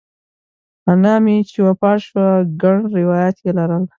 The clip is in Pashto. انا مې چې وفات شوه ګڼ روایات یې لرل.